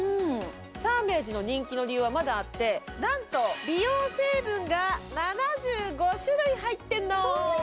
サーメージの人気の理由はまだあって、なんと美容成分が７５種類入ってんの。